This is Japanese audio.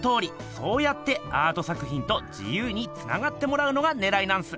そうやってアート作ひんと自ゆうにつながってもらうのがねらいなんす。